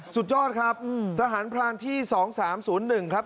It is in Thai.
สุดยอดครับทหารพรานที่๒๓๐๑ครับ